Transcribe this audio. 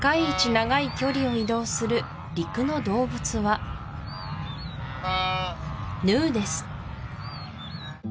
長い距離を移動する陸の動物はヌーです